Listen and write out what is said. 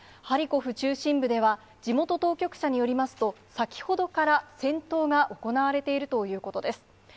ハリコフ中心部では、地元当局者によりますと、先ほどから戦闘が行われているということです。